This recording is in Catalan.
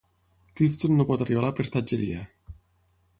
Clifton no pot arribar a la prestatgeria.